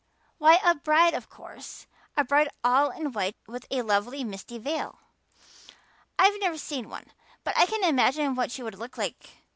"Why, a bride, of course a bride all in white with a lovely misty veil. I've never seen one, but I can imagine what she would look like.